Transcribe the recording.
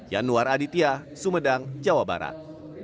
yanuar aditya sumedang jawa barat